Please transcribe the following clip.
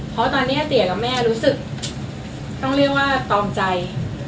เพราะตอนนี้เตี๋ยกับแม่รู้สึกต้องเรียกว่าตองใจ